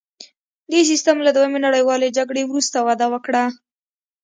دې سیستم له دویمې نړیوالې جګړې وروسته وده وکړه